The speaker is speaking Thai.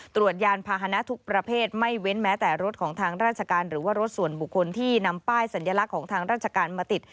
ยานพาหนะทุกประเภทไม่เว้นแม้แต่รถของทางราชการหรือว่ารถส่วนบุคคลที่นำป้ายสัญลักษณ์ของทางราชการมาติด